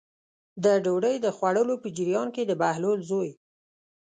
د ډوډۍ د خوړلو په جریان کې د بهلول زوی.